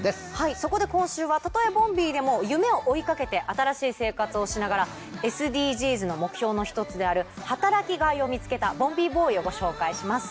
そこで今週はたとえボンビーでも夢を追い掛けて新しい生活をしながらＳＤＧｓの目標の一つである「働きがい」を見つけたボンビーボーイをご紹介します。